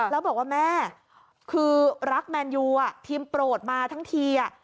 แล้วบอกว่าแม่คือรักแมนยูทีมโปรดมาทั้งที